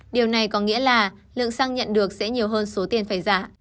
điều này có nghĩa là lượng xăng nhận được sẽ nhiều hơn số tiền phải giả